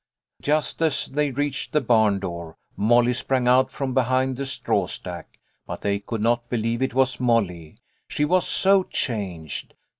Just as they reached the barn door, Molly sprang out from behind the straw stack ; but they could not believe it was Molly, she was so changed.